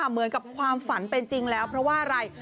เหมือนกับความฝันเป็นจริงแล้วเพราะว่าอะไร